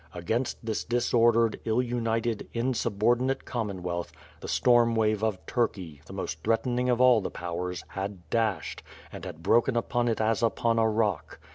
Against this disordered, ill united, insubordinate WITH FIRE AND SWORD, j^j^ Commonwealth, the storm wave of Turkey, the most threat ening of all the powers, had dashed, and had hroken upon it as upon a rock.